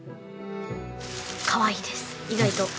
かわいいです意外と。